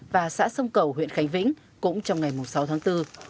và xã sông cầu huyện khánh vĩnh cũng trong ngày sáu tháng bốn